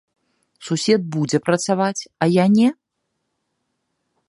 Сусед будзе працаваць, а я не?